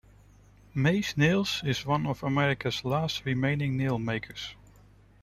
Maze Nails is one of America's last remaining nail makers.